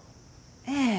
ええ。